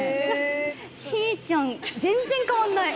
ちーちゃん全然変わんない！